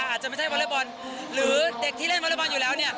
อาจจะไม่ใช่วอเล็กบอลหรือเด็กที่เล่นวอเล็กบอลอยู่แล้วเนี่ย